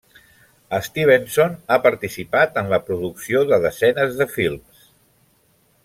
Stevenson ha participat en la producció de desenes de films.